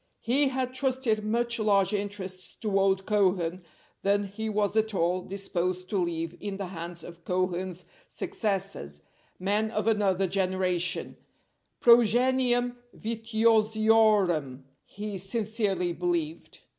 He had trusted much larger interests to old Cohen than he was at all disposed to leave in the hands of Cohen's successors, men of another generation, "progeniem vitiosiorem," he sincerely believed.